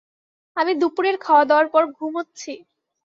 আমি দুপুরের খাওয়া-দাওয়ার পর ঘুমুচ্ছি।